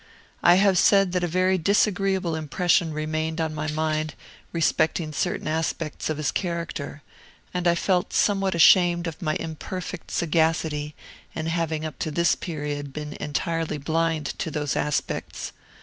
I have said that a very disagreeable impression remained on my mind respecting certain aspects of his character, and I felt somewhat ashamed of my imperfect sagacity in having up to this period been entirely blind to those aspects.